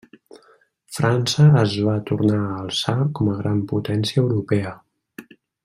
França es va tornar a alçar com a gran potència europea.